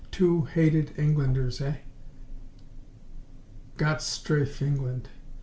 Two hated Englanders, eh? Gott strafe England!